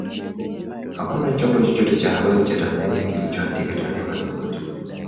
Hakuna chombo chochote cha habari cha Tanzania kilichoandika taarifa zozote